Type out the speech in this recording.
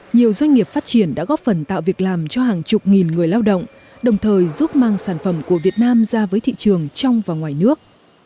nhiều doanh nghiệp phát triển đã góp phần tạo việc làm cho hàng chục nghìn người lao động đồng thời giúp mang sản phẩm của việt nam ra với thị trường trong và ngoài nước